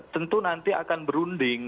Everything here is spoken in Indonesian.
tentu nanti akan berunding